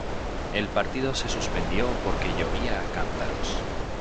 El partido se suspendió porque llovía a cántaros